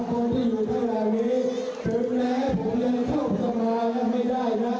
ต้องช่วยแปลอีกนิดนึงเพราะว่าเสียงสินหวัง